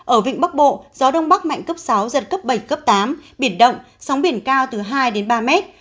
ở vịnh bắc bộ gió đông bắc mạnh cấp sáu giật cấp bảy cấp tám biển động sóng biển cao từ hai đến ba mét